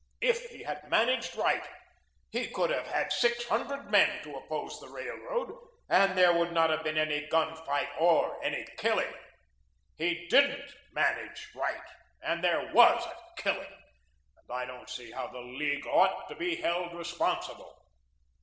If he had managed right, he could have had six hundred men to oppose the Railroad and there would not have been any gun fight or any killing. He DIDN'T manage right and there WAS a killing and I don't see as how the League ought to be held responsible.